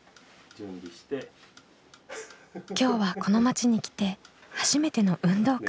今日はこの町に来て初めての運動会。